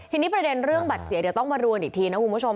ทีนี้ประเด็นเรื่องบัตรเสียเดี๋ยวต้องมารวมอีกทีนะคุณผู้ชม